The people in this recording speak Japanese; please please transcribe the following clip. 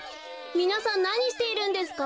みなさんなにしているんですか？